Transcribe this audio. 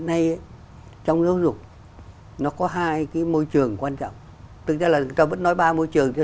nay trong giáo dục nó có hai cái môi trường quan trọng tức là người ta vẫn nói ba môi trường cho